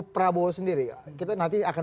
prabowo sendiri kita nanti akan